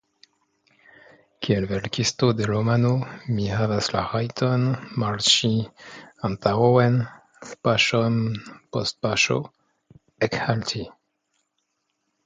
Kiel verkisto de romano mi havas la rajton marŝi antaŭen, paŝon post paŝo, ekhalti.